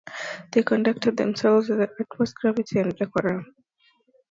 They conducted themselves with the utmost gravity and decorum.